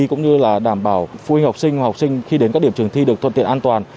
cũng như là đảm bảo phụ huynh học sinh và học sinh khi đến các điểm trường thi được thuận tiện an toàn